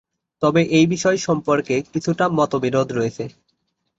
তবে এই বিষয় সম্পর্কে কিছুটা মতবিরোধ রয়েছে।